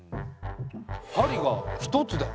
針が１つだよ。